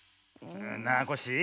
なあコッシー